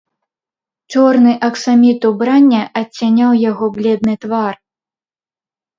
Чорны аксаміт убрання адцяняў яго бледны твар.